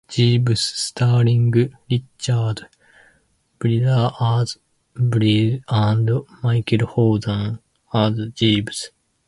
Jeeves starring Richard Briers as Bertie and Michael Hordern as Jeeves.